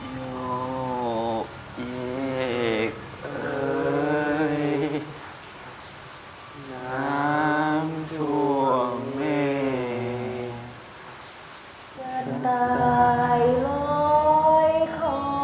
โลกเอกเอ้ยน้ำถวงเมจะตายร้อยคอ